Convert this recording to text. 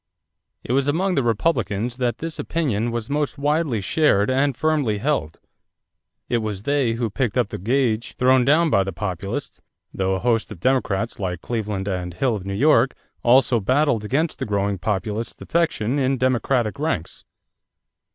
= It was among the Republicans that this opinion was most widely shared and firmly held. It was they who picked up the gauge thrown down by the Populists, though a host of Democrats, like Cleveland and Hill of New York, also battled against the growing Populist defection in Democratic ranks.